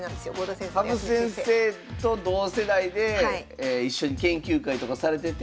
羽生先生と同世代で一緒に研究会とかされてて。